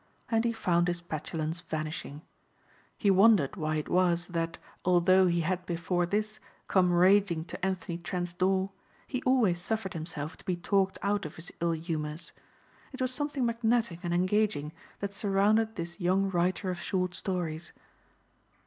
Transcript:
And he found his petulance vanishing. He wondered why it was that although he had before this come raging to Anthony Trent's door, he always suffered himself to be talked out of his ill humors. It was something magnetic and engaging that surrounded this young writer of short stories.